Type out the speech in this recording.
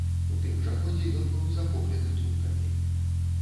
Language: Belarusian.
У тым жа годзе ён быў захоплены туркамі.